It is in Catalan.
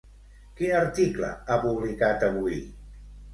Quin article ha publicat avui?